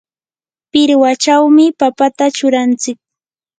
pirwachawmi papata churanchik.